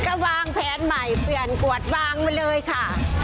ก็วางแผนใหม่เปลี่ยนกวดวางไว้เลยค่ะ